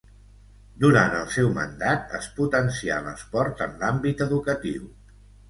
Durant el seu mandat es potencià l'esport en l'àmbit educatiu.